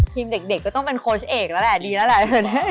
ทีมเด็กก็ต้องเป็นโค้ชเอกแล้วแหละดีแล้วแหละเดี๋ยวได้แบบนี้